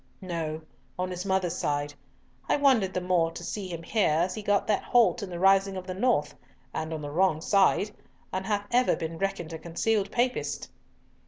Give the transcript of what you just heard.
"No. On his mother's side. I wondered the more to see him here as he got that halt in the Rising of the North, and on the wrong side, and hath ever been reckoned a concealed Papist."